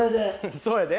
そうやで。